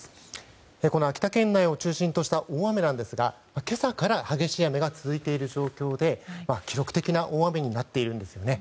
秋田県内を中心とした大雨なんですが今朝から激しい雨が続いている状況で記録的な大雨になっているんですよね。